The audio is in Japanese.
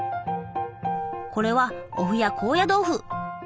これはお麩や高野豆腐。